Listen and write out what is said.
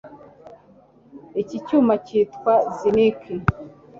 Iki cyuma cyitwa zinc